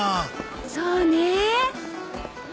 そうね。